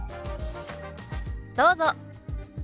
どうぞ。